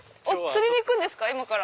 釣りに行くんですか？